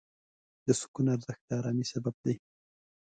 د سکون ارزښت د آرامۍ سبب دی.